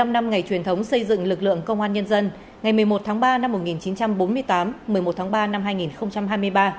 bảy mươi năm năm ngày truyền thống xây dựng lực lượng công an nhân dân ngày một mươi một tháng ba năm một nghìn chín trăm bốn mươi tám một mươi một tháng ba năm hai nghìn hai mươi ba